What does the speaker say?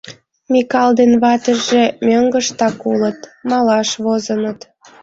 Микал ден ватыже мӧҥгыштак улыт, малаш возыныт.